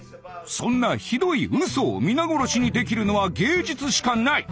そんなひどい嘘を皆殺しにできるのは芸術しかない。